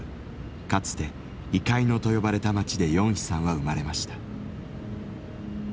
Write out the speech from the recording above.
かつて猪飼野と呼ばれた町でヨンヒさんは生まれました。